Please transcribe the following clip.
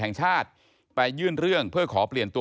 แห่งชาติไปยื่นเรื่องเพื่อขอเปลี่ยนตัว